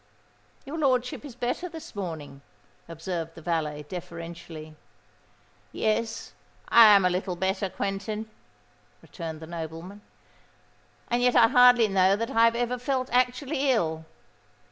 "Your lordship is better this morning," observed the valet, deferentially. "Yes—I am a little better, Quentin," returned the nobleman; "and yet I hardly know that I have ever felt actually ill.